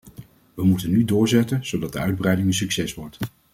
We moeten nu doorzetten, zodat de uitbreiding een succes wordt.